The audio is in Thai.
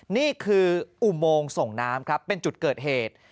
นี่คืออุโมงส่งน้ำครับเป็นจุดเกิดเหตุ